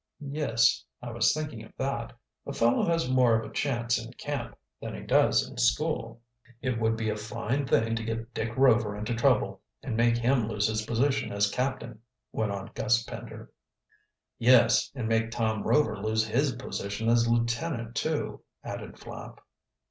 "Yes, I was thinking of that. A fellow has more of a chance in camp than he does in school." "It would be a fine thing to get Dick Rover into trouble and make him lose his position as captain," went on Gus Pender. "Yes, and make Tom Rover lose his position as lieutenant, too," added Flapp.